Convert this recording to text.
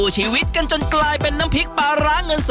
๓๔ชั่วโมงค่ะ